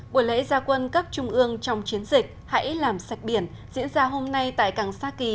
buổi lễ gia quân cấp trung ương trong chiến dịch hãy làm sạch biển diễn ra hôm nay tại càng sa kỳ